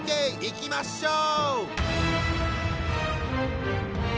いきましょう！